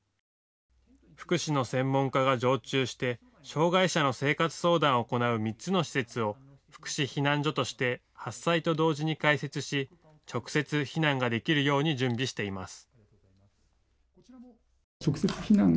福祉の専門家が常駐して障害者の生活相談を行う３つの施設を福祉避難所として発災と同時に開設し直接、避難ができるように準備しています。